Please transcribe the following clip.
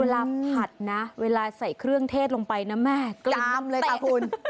ผัดนะเวลาใส่เครื่องเทศลงไปนะแม่กลิ่นนำเลยค่ะคุณ